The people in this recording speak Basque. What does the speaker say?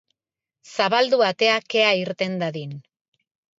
Zabaldu atea kea irten dadin.